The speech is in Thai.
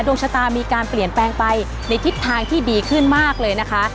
ดวงชะตามีการเปลี่ยนแปลงไปในทิศทางที่ดีขึ้นมากเลยนะคะ